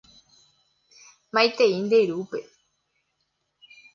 Maitei nde rúpe.